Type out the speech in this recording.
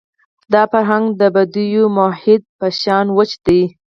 دا فرهنګ د بدوي محیط په شان وچ دی.